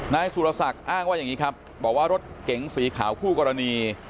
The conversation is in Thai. นายสุรศักดิ์อ้างว่าอย่างนี้ครับบอกว่ารถเก๋งสีขาวคู่กรณี